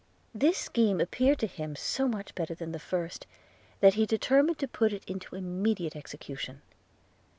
This scheme appeared to him so much better than the first, that he determined to put it into immediate execution.